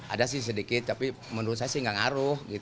ada sih sedikit tapi menurut saya sih nggak ngaruh